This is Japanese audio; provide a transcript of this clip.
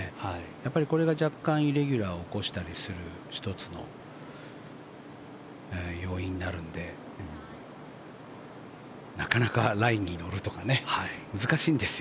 やっぱり、これが若干イレギュラーを起こしたりする１つの要因になるのでなかなかラインに乗るとか難しいんですよ。